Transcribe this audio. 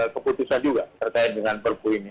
keputusan juga terkait dengan perpu ini